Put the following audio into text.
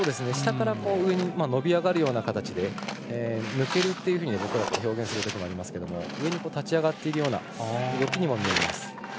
下から上に伸び上がるような形で抜けるというふうに僕らは表現することありますが上に立ちあがっているような動きに見えます。